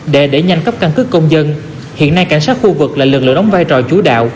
để đẩy nhanh cấp căn cước công dân hiện nay cảnh sát khu vực là lực lượng đóng vai trò chú đạo